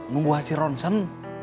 nunggu hasil ronsen